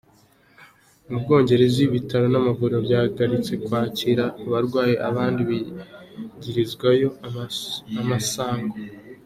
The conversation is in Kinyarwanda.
Mu Bwongereza ibitaro n'amavuriro vyahagaritse kwakira abarwayi abandi bigirizwayo amasango.